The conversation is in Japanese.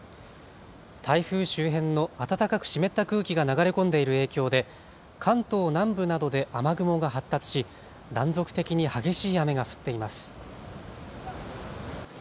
台風周辺の暖かく湿った空気が流れ込んでいる影響で関東南部などで雨雲が発達し断続的に激しい雨が降っています。